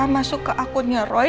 masuk ke akunnya roy